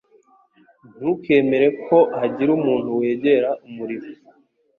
Ntukemere ko hagira umuntu wegera umuriro